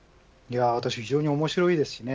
非常に面白いですね。